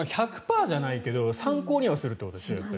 １００％じゃないけど参考にはするってことですよね。